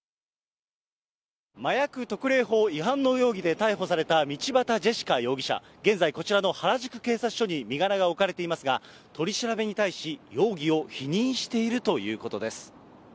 麻薬特例法違反の容疑で逮捕された道端ジェシカ容疑者、現在、こちらの原宿警察署に身柄が置かれていますが、取り調べに対し、容疑を否認しているということです。